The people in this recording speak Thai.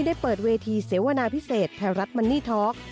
ได้เปิดเวทีเสวนาพิเศษไทยรัฐมันนี่ท็อก